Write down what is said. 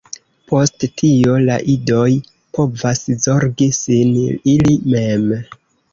Post tio, la idoj povas zorgi sin ili mem.